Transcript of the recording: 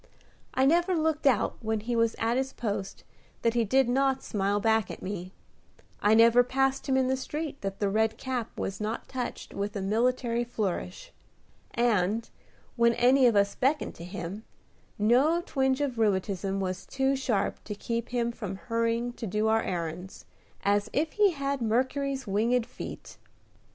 I never looked out when he was at his post that he did not smile back at me; I never passed him in the street that the red cap was not touched with a military flourish; and, when any of us beckoned to him, no twinge of rheumatism was too sharp to keep him from hurrying to do our errands, as if he had Mercury's winged feet.